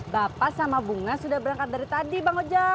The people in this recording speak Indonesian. bapak sama bunga sudah berangkat dari tadi bang ujang